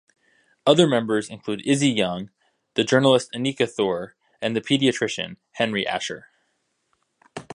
Other members includes Izzy Young, the journalist Annika Thor and the pediatrician Henry Ascher.